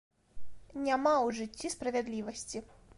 Няма ў жыцці справядлівасці!